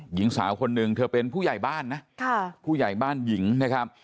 หญิงสาวคนหนึ่งเธอเป็นผู้ใหญ่บ้านนะผู้ใหญ่บ้านหญิงนะครับ